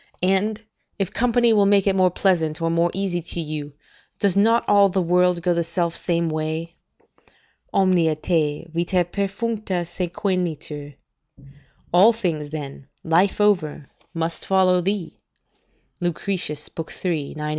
And, if company will make it more pleasant or more easy to you, does not all the world go the self same way? "'Omnia te, vita perfuncta, sequentur.' ["All things, then, life over, must follow thee." Lucretius, iii.